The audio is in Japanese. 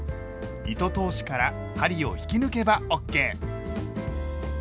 糸通しから針を引き抜けばＯＫ。